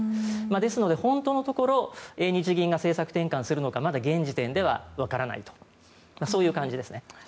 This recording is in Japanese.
ですので、本当のところ日銀が政策転換をするのかまだ現時点ではわからないとそういう感じですね。